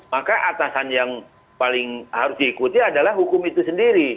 maka atasan yang paling harus diikuti adalah hukum itu sendiri